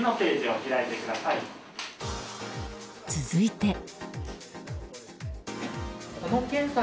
続いて。